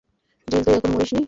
জিল তুই এখনও মরিসনি?